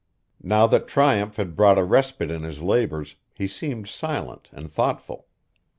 Now that triumph had brought a respite in his labors he seemed silent and thoughtful.